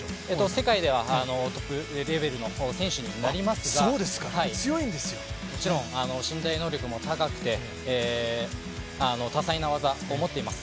世界ではトップレベルの選手になりますが、もちろん身体能力も高くて、多彩な技を持っています。